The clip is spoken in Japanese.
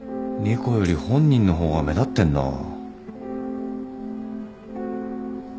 猫より本人の方が目立ってんな。